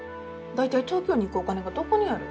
大体東京に行くお金がどこにある？